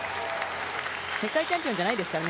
世界チャンピオンじゃないですからね。